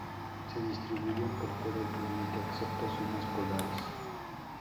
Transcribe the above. Se distribuyen por todo el planeta, excepto zonas polares.